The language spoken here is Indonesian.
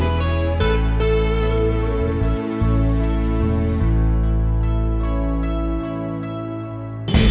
udah bocan mbak